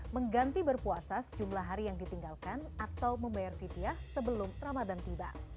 mengganti berpuasa sejumlah hari yang ditinggalkan atau membayar vitiah sebelum ramadan tiba